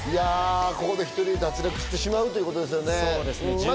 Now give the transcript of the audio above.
ここで１人脱落してしまうということですね。